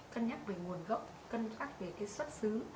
cân nhắc về nguồn gốc cân khắc về cái xuất xứ